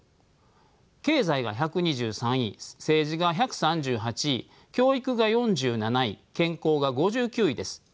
経済が１２３位政治が１３８位教育が４７位健康が５９位です。